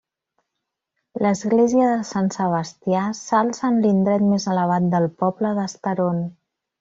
L'església de Sant Sebastià s'alça en l'indret més elevat del poble d'Estaron.